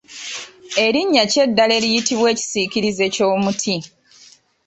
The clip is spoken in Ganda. Erinnya ki eddala eriyitibwa ekisiikirize ky’omuti?